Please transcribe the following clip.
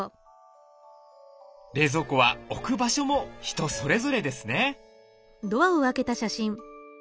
冷蔵庫は置く場所も人それぞれですね。